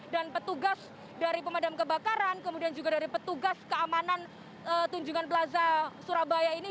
dan petugas dari pemadam kebakaran kemudian juga dari petugas keamanan tunjungan plaza surabaya ini